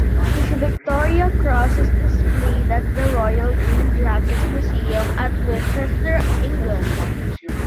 His Victoria Cross is displayed at the Royal Green Jackets Museum at Winchester, England.